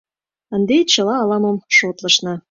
Ынде чыла ала-мо шотлышна...